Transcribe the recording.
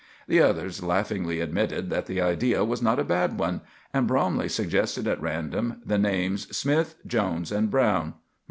The others laughingly admitted that the idea was not a bad one, and Bromley suggested at random the names Smith, Jones, and Brown.